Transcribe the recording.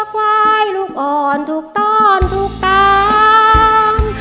ควายลูกอ่อนถูกต้อนถูกตาม